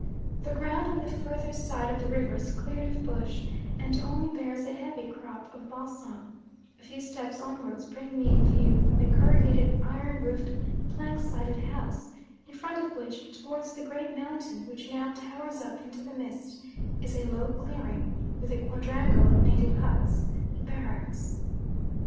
The ground on the further side of the river is cleared of bush, and only bears a heavy crop of balsam; a few steps onwards bring me in view of a corrugated iron roofed, plank sided house, in front of which, towards the great mountain which now towers up into the mist, is a low clearing with a quadrangle of native huts the barracks.